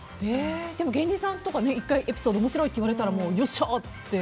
でも芸人さんとか１回エピソード面白いって言われたらよっしゃーって。